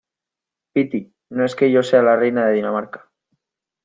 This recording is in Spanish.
piti, no es que yo sea la reina de Dinamarca ,